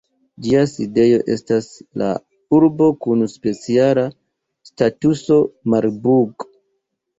Ĝia sidejo estas la urbo kun speciala statuso Marburg.